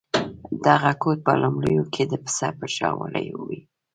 دغه کوټ په لومړیو کې د پسه په شا وړۍ وې.